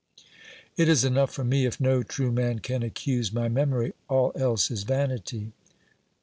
It is enough for me if no true man can accuse my memory; all else is vanity.